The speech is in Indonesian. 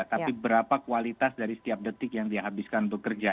tapi berapa kualitas dari setiap detik yang dihabiskan bekerja